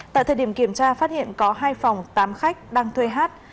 tại thời điểm kiểm tra phát hiện có hai phòng tám khách đang thuê hát